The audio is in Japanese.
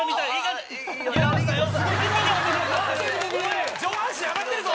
お前上半身上がってるぞ！